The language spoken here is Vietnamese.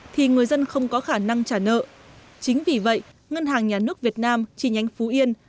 thì người dân không có khả năng trả nợ chính vì vậy ngân hàng nhà nước việt nam chi nhánh phú yên